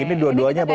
ini dua duanya apa